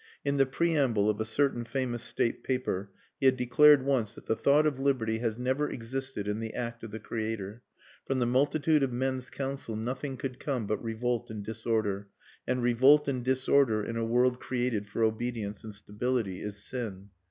In the preamble of a certain famous State paper he had declared once that "the thought of liberty has never existed in the Act of the Creator. From the multitude of men's counsel nothing could come but revolt and disorder; and revolt and disorder in a world created for obedience and stability is sin.